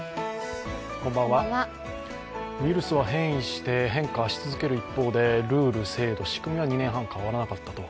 ウイルスは変異して変化し続ける一方でルール、制度、仕組みは２年半変わらなかった。